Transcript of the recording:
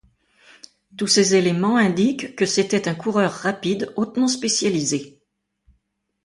Tous ces éléments indiquent que c'était un coureur rapide hautement spécialisé.